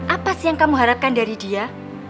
apa sih yang kamu harapkan dari dia